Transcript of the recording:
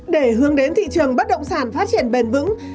để hướng đến thị trường bất động sản phát triển bền vững